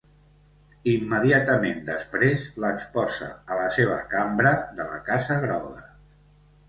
Immediatament després l'exposa a la seva cambra de la Casa Groga.